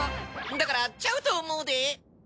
だからちゃうと思うで。